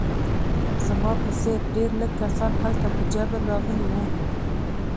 زما په څېر ډېر لږ کسان هلته په جبر راغلي وو